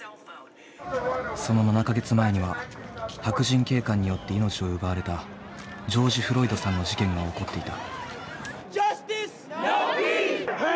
その７か月前には白人警官によって命を奪われたジョージ・フロイドさんの事件が起こっていた。